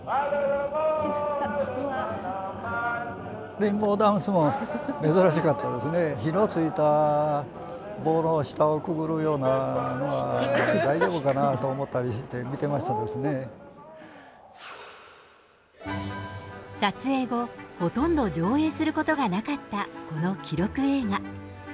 リンボーダンスも珍しかったですね、火のついた棒の下をくぐるようなのは大丈夫かなって思ったりして撮影後ほとんど上映することがなかったこの記録映画。